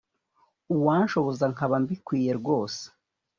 uwanshoboza nkaba mbikwiye rwose